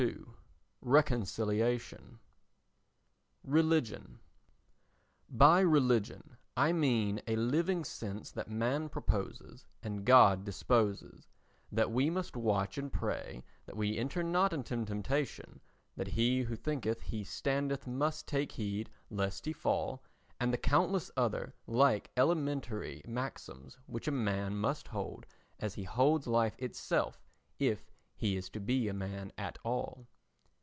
XXII Reconciliation Religion BY religion I mean a living sense that man proposes and God disposes, that we must watch and pray that we enter not into temptation, that he who thinketh he standeth must take heed lest he fall, and the countless other like elementary maxims which a man must hold as he holds life itself if he is to be a man at all.